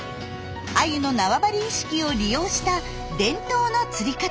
アユの縄張り意識を利用した伝統の釣り方です。